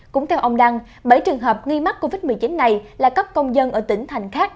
cũng theo ông đăng bảy trường hợp nghi mắc covid một mươi chín này là các công dân ở tỉnh thành khác